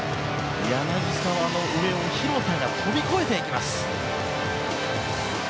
柳澤の上を廣田が飛び越えていきます。